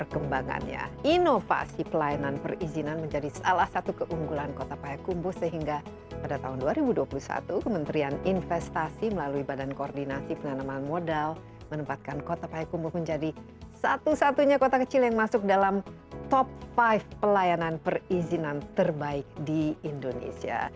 kota payakumbuh menjadi satu satunya kota kecil yang masuk dalam top lima pelayanan perizinan terbaik di indonesia